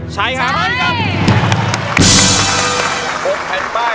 ใช้